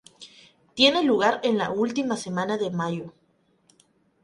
Tiene lugar en la última semana de mayo.